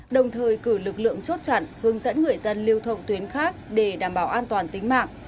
đồng thời cử lực lượng chốt chặn hướng dẫn người dân lưu thông tuyến khác để đảm bảo an toàn tính mạng